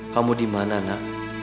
kamu dimana nak